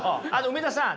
梅田さん